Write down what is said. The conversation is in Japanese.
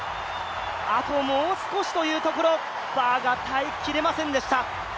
あともう少しというところ、バーが耐えきれませんでした。